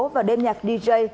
và đêm nhạc dj